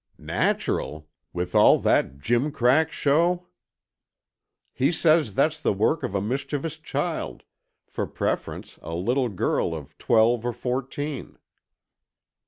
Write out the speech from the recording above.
"Natural? With all that gimcrack show!" "He says that's the work of a mischievous child, for preference, a little girl of twelve or fourteen."